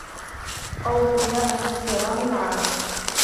أوفـيــــاء من كــــرامِ العــــرب